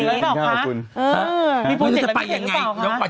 ไม่มีนักกินข้าวกันค่ะมีโปรเจกต์อะไรพิเศษหรือเปล่าค่ะ